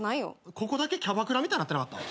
ここだけキャバクラみたいになってなかった？